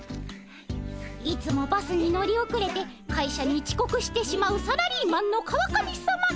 いつもバスに乗り遅れて会社にちこくしてしまうサラリーマンの川上さま。